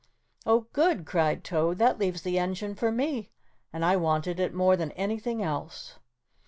"Oh, good," cried Toad, "that leaves the engine for me and I wanted it more than anything else."